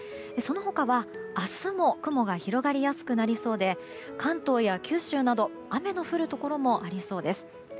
その他は、明日も雲が広がりやすくなりそうで関東や九州など雨の降るところもありそうです。